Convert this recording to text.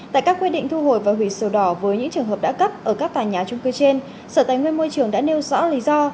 tại các quy định thu hồi và hủy sổ đỏ với những trường hợp đã cấp ở các tòa nhà trung cư trên sở tài nguyên môi trường đã nêu rõ lý do